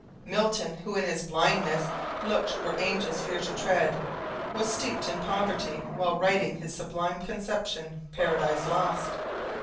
Milton, who in his blindness "looked where angels fear to tread," was steeped in poverty while writing his sublime conception, "Paradise Lost."